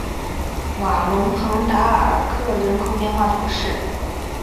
瓦龙蓬达尔克人口变化图示